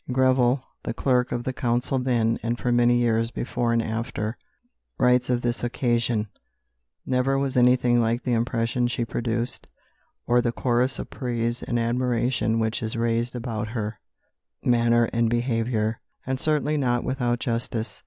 Greville, the Clerk of the Council then, and for many years before and after, writes of this occasion: "Never was anything like the impression she produced, or the chorus of praise and admiration which is raised about her manner and behaviour, and certainly not without justice.